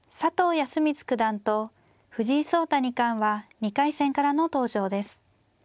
康光九段と藤井聡太二冠は２回戦からの登場です。